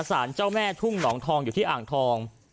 สารเจ้าแม่ทุ่งหนองทองอยู่ที่อ่างทอง